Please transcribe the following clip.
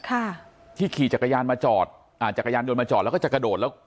ค่ะที่ขี่จักรยานมาจอดอ่าจักรยานยนต์มาจอดแล้วก็จะกระโดดแล้ว